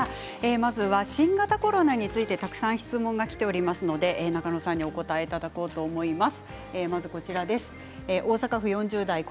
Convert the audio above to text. まず新型コロナについてたくさん質問がきていますので中野さんにお答えいただこうと思います。